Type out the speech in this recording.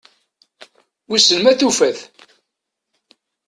Wissen ma tufa-t?